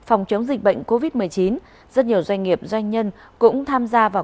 ông đang giảng dạy nghệ thuật đa phương tiện